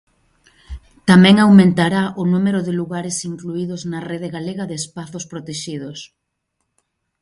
Tamén aumentará o número de lugares incluídos na Rede Galega de Espazos Protexidos.